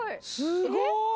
すごい！